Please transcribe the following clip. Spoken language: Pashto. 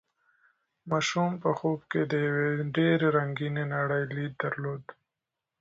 ماشوم په خوب کې د یوې ډېرې رنګینې نړۍ لید درلود.